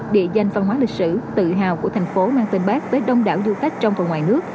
địa danh văn hóa lịch sử tự hào của thành phố mang tên bác với đông đảo du khách trong và ngoài nước